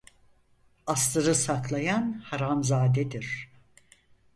Aslını saklayan haramzadedir.